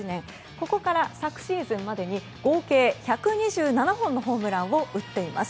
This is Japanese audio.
ここから昨シーズンまでに合計１２７本のホームランを打っています。